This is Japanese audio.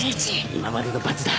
今までの罰だ。